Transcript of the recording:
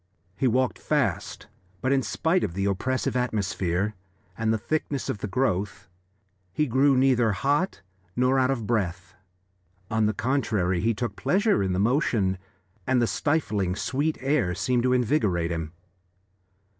He walked fast, but in spite of the oppressive atmosphere and the thickness of the growth he grew neither hot nor out of breath; on the contrary, he took pleasure in the motion, and the stifling, sweet air seemed to invigorate him.